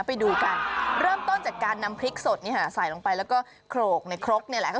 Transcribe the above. ไปดูกันเริ่มต้นจากการนำพริกสดใส่ลงไปแล้วก็โขลกในครกนี่แหละค่ะ